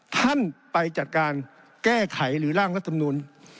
ท่านไปจัดการแก้ไขหรือร่างรัฐมนูล